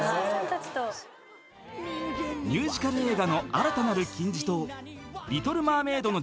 ［ミュージカル映画の新たなる金字塔『リトル・マーメイド』の実写版］